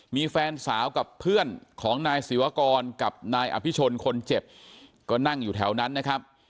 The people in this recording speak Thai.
มีแฟนสาวกับเพื่อนของนายศิวากรกับนายอภิชนคนเจ็บก็นั่งอยู่แถวนั้นนะครับ